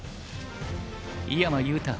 井山裕太